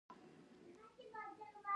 موکتیزوما مخکې شو چې خزانې ته رهبري ور وښیي.